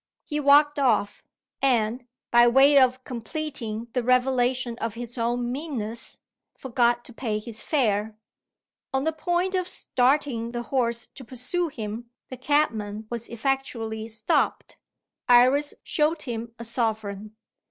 He walked off; and, by way of completing the revelation of his own meanness, forgot to pay his fare. On the point of starting the horse to pursue him, the cabman was effectually stopped. Iris showed him a sovereign.